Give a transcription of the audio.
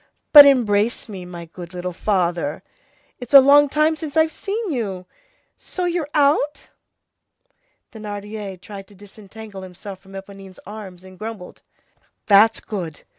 But embrace me, my good little father! It's a long time since I've seen you! So you're out?" Thénardier tried to disentangle himself from Éponine's arms, and grumbled:— "That's good.